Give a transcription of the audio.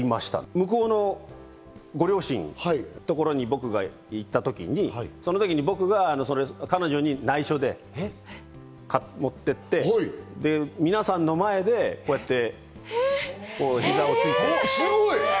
向こうのご両親の所に僕が行ったときに、そのときに僕が、彼女にないしょで持っていって、皆さんの前でこうやってひざをついて。